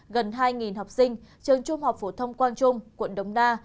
gần hai học sinh trường trung học phổ thông quang trung quận đồng na